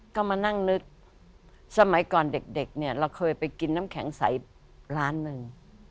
ก็มานั่งนึกสมัยก่อนเด็กเนี่ยเราเคยไปกินน้ำแข็งใสร้านหนึ่ง